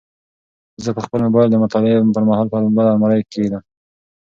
زه به خپل موبایل د مطالعې پر مهال په بل المارۍ کې کېږدم.